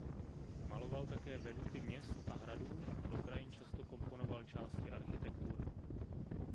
Maloval také veduty měst a hradů a do krajin často komponoval části architektur.